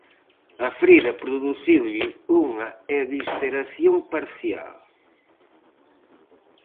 A ferida produciulle unha evisceración parcial.